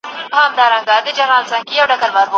ارغنداب سیند د ولسونو ترمنځ د وحدت سمبول دی.